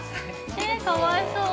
え、かわいそう。